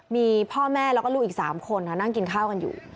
มีพ่อแม่แล้วก็ลูกอีก๓คนนั่งกินข้าวกันอยู่